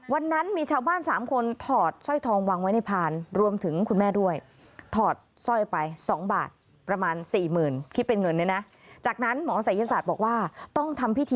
วันนั้นมีชาวบ้าน๓คนถอดสร้อยทองวางไว้ในพาน